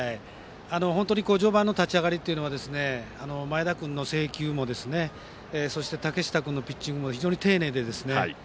序盤の立ち上がりは前田君の制球もそして、竹下君のピッチングも丁寧で。